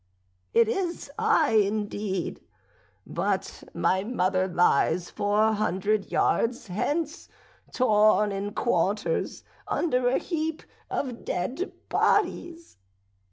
"'It is I, indeed; but my mother lies four hundred yards hence, torn in quarters, under a heap of dead bodies.'